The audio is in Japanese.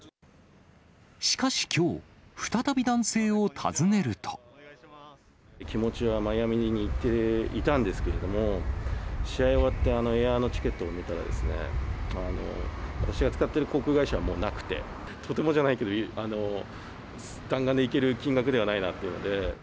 しかしきょう、気持ちはマイアミに行っていたんですけれども、試合終わって、エアのチケットを見たら、私が使っている航空会社は、もうなくて、とてもじゃないけど、弾丸で行ける金額ではなかったので。